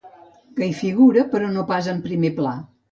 Que hi figura, però no pas en primer pla.